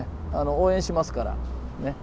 応援しますから。ね。